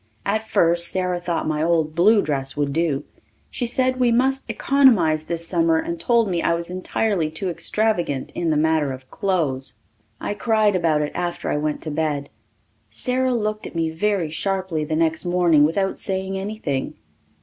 At first Sara thought my old blue dress would do. She said we must economize this summer and told me I was entirely too extravagant in the matter of clothes. I cried about it after I went to bed. Sara looked at me very sharply the next morning without saying anything.